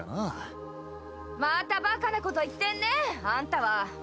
・またバカなこと言ってんねぇあんたは。